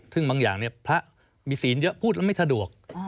ซึ่งบางอย่างพระมีศีลเยอะพูดแล้วไม่สะดวก